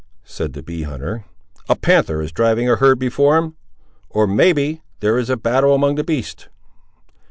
said the bee hunter; "a panther is driving a herd before him; or may be, there is a battle among the beasts."